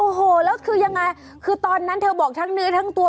โอ้โหแล้วคือยังไงคือตอนนั้นเธอบอกทั้งเนื้อทั้งตัว